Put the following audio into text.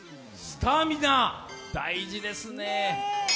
スタミナ、大事ですね。